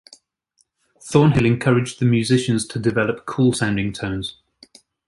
Thornhill encouraged the musicians to develop cool-sounding tones.